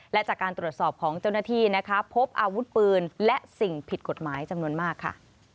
และจากการตรวจสอบของเจ้าหน้าที่นะคะพบอาวุธปืนและสิ่งผิดกฎหมายจำนวนมากค่ะ